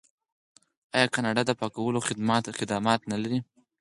آیا کاناډا د پاکولو خدمات نلري؟